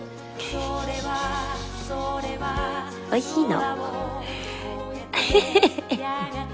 おいしいの？